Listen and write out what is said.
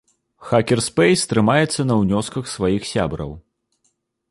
Хакерспэйс трымаецца на ўнёсках сваіх сябраў.